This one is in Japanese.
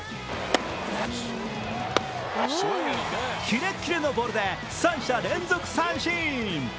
キレッキレのボールで三者連続三振。